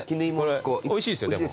おいしいですよ。